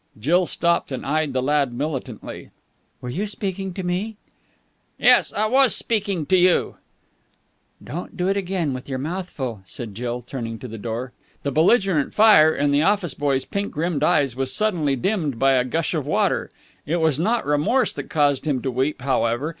Jill stopped and eyed the lad militantly. "Were you speaking to me?" "Yes, I was speaking to you!" "Don't do it again with your mouth full," said Jill, turning to the door. The belligerent fire in the office boy's pink rimmed eyes was suddenly dimmed by a gush of water. It was not remorse that caused him to weep, however.